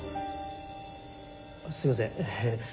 すいませんえ。